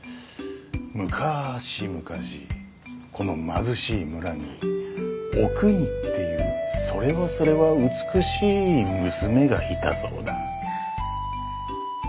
この貧しい村におくにっていうそれはそれは美しい娘がいたそうだ。